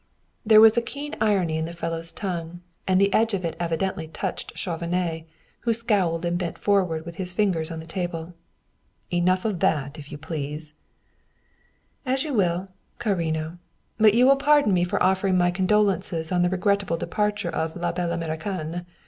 There was a keen irony in the fellow's tongue and the edge of it evidently touched Chauvenet, who scowled and bent forward with his fingers on the table. "Enough of that, if you please." "As you will, carino; but you will pardon me for offering my condolences on the regrettable departure of la belle Americaine.